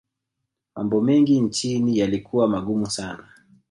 mambo mengi nchini yalikuwa magumu sana